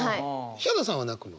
ヒャダさんは泣くの？